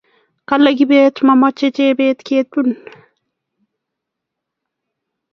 kale kibet mamche jebet ketun